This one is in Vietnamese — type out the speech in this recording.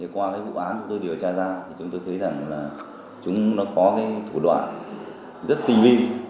qua cái vụ án chúng tôi điều tra ra chúng tôi thấy rằng là chúng nó có cái thủ đoạn rất tinh vi